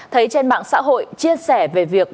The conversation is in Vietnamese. thấy trên mạng xã hội chia sẻ về việc